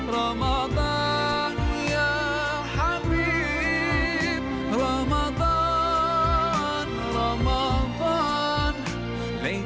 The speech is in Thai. สัมผัสค่ะตอนนี้แทบบังคลีมพูดว่าเราจะพร้อมทุกอย่าง